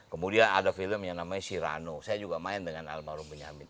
kemudian ada film yang namanya sirano saya juga main dengan almarhum benyamin